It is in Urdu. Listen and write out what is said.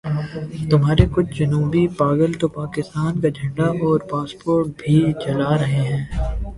تمہارے کچھ جنونی پاگل تو پاکستان کا جھنڈا اور پاسپورٹ بھی جلا رہے ہیں۔